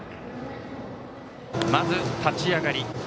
まず、立ち上がり。